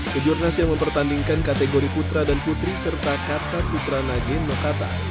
kejurnas yang mempertandingkan kategori putra dan putri serta kata putra nadiem nokata